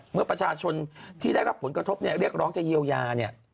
เมื่อประชาชนที่ได้รับผลกระทบเรียกร้องจะเยี้ยวยา